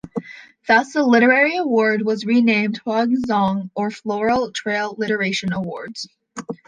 Thus the literary award was renamed "Hua Zong" or Floral Trail Literation Awards.